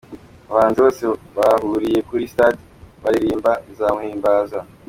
Abahanzi bose bahuriye kuri stage baririmba 'Nzamuhimbaza'.